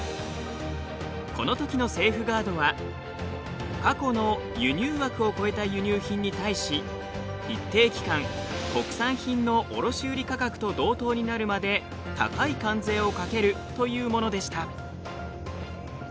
このときのセーフガードは過去の輸入枠を超えた輸入品に対し一定期間国産品の卸売価格と同等になるまで高い関税をかけるというものでした。